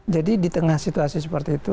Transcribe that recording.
jadi di tengah situasi seperti itu